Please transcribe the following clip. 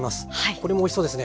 これもおいしそうですね。